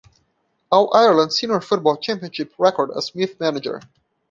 All-Ireland Senior Football Championship record as Meath manager.